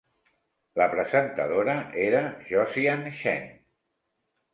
La presentadora era Josiane Chen.